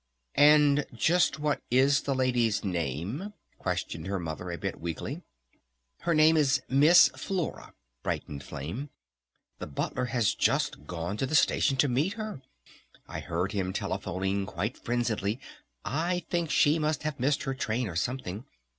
"And just what is the lady's name?" questioned her Mother a bit weakly. "Her name is 'Miss Flora'!" brightened Flame. "The Butler has just gone to the Station to meet her! I heard him telephoning quite frenziedly! I think she must have missed her train or something!